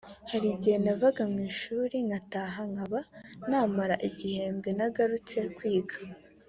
hari igihe navaga mu ishuri ngataha nkaba namara igihembwe ntagarutse kwiga